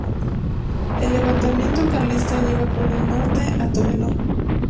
El levantamiento carlista llega por el norte a Torelló.